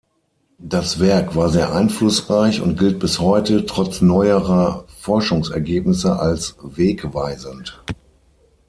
Das Werk war sehr einflussreich und gilt bis heute, trotz neuerer Forschungsergebnisse, als wegweisend.